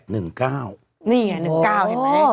นี่ไง๑๙เห็นไหม